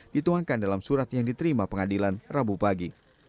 dituangkan dalam surat yang diterima pengadilan rabu pagi